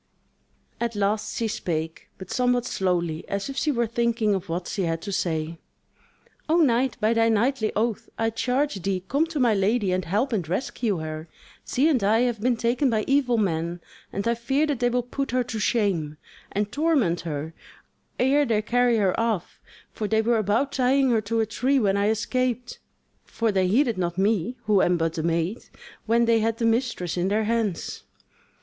At last she spake, but somewhat slowly, as if she were thinking of what she had to say: "O knight, by thy knightly oath I charge thee come to my lady and help and rescue her: she and I have been taken by evil men, and I fear that they will put her to shame, and torment her, ere they carry her off; for they were about tying her to a tree when I escaped: for they heeded not me who am but the maid, when they had the mistress in their hands."